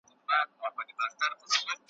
چي هر چا د سرو او سپینو پیمانې دي درلودلي `